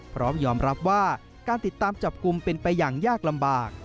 พร้อมยอมรับว่าการติดตามจับกลุ่มเป็นไปอย่างยากลำบาก